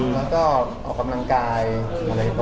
แล้วก็ออกกำลังกายอะไรอย่างนี้ครับ